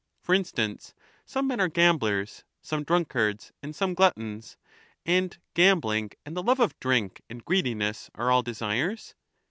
For instance, some men are gamblers, some drunkards, and some gluttons : and gambling and the love of drink and greediness are all desires?